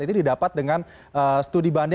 ini didapat dengan studi banding